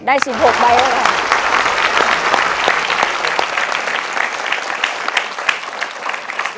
ได้๑๖บ๊ายแล้วค่ะ